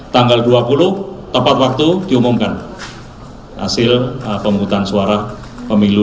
tanggal dua puluh tepat waktu diumumkan hasil pemungutan suara pemilu dua ribu dua puluh